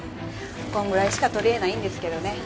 こんぐらいしか取り柄ないんですけどね